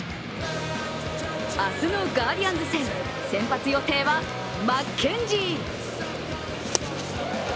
明日のガーディアンズ戦先発予定はマッケンジー！